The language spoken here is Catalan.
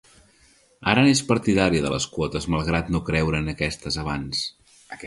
Ara n'és partidària de les quotes malgrat no creure en aquestes abans.